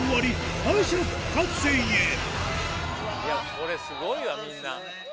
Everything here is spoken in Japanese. これスゴいわみんな。